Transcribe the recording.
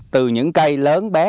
từ những cây lớn bé